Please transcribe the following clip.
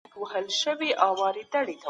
د پور نه ورکول د خلکو ترمنځ دښمني پیدا کوي.